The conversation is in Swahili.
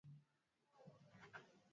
na portraits za babu katika nyumba moja